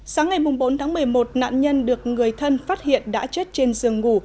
sáng ngày bốn tháng một mươi một nạn nhân được người thân phát hiện đã chết trên giường ngủ